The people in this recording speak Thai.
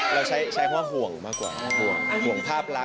เราใช้เพราะว่าห่วงมากกว่าห่วงภาพรัก